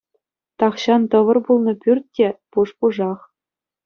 Тахҫан тӑвӑр пулнӑ пӳрт те пуш-пушах.